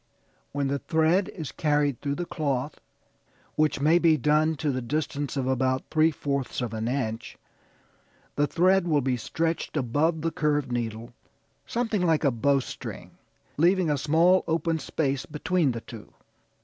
When the thread is carried through the cloth, which may be done to the distance of about three fourths of an inch the thread will be stretched above the curved needle, something like a bowstring, leaving a small open space between the two.